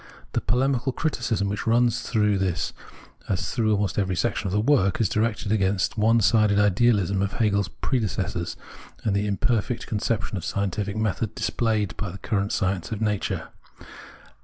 The polemical criticism which runs through this as through almost every section of the work is directed against the one sided idealism of Hegel's predecessors and the imperfect conception of scientific method displayed by the current science of nature.